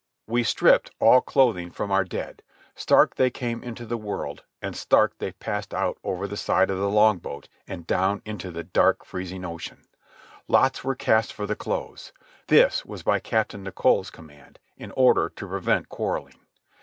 We stripped all clothing from our dead. Stark they came into the world, and stark they passed out over the side of the longboat and down into the dark freezing ocean. Lots were cast for the clothes. This was by Captain Nicholl's command, in order to prevent quarrelling.